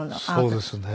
そうですね。